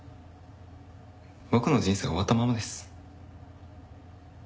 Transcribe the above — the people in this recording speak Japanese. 僕の人生は終わったままです。